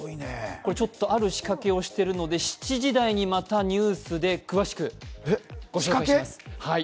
これ、ある仕掛けをしているので７時台にまたニュースで詳しくお知らせします。